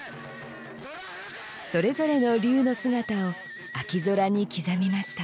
それぞれの龍の姿を秋空に刻みました。